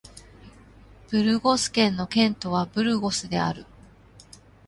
ブルゴス県の県都はブルゴスである